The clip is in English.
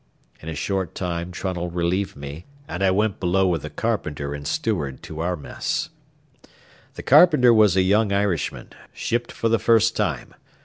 In a short time Trunnell relieved me, and I went below with the carpenter and steward to our mess. The carpenter was a young Irishman, shipped for the first time.